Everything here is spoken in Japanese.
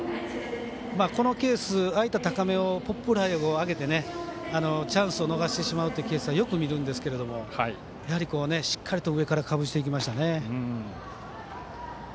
このケース、ああいった高めのポップフライを上げてチャンスを逃してしまうっていうケースはよく見るんですけどやはり、しっかりと上からかぶせていきましたね。